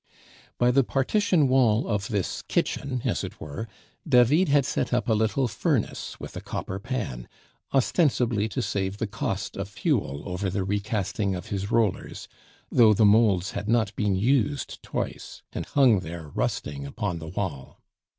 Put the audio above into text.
By the partition wall of this kitchen, as it were, David had set up a little furnace with a copper pan, ostensibly to save the cost of fuel over the recasting of his rollers, though the moulds had not been used twice, and hung there rusting upon the wall.